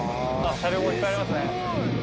車両もいっぱいありますね。